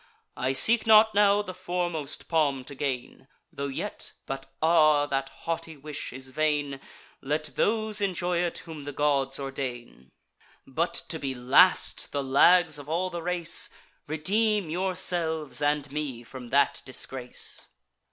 I seek not now the foremost palm to gain; Tho' yet——But, ah! that haughty wish is vain! Let those enjoy it whom the gods ordain. But to be last, the lags of all the race! Redeem yourselves and me from that disgrace."